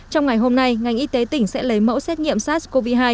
trong ngày hôm nay ngành y tế tỉnh sẽ lấy mẫu xét nghiệm sars cov hai